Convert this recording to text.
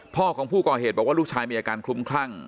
พ่อของผู้ก่อเหตุบอกว่าลูกชายมีอาการคลุ้มคลั่ง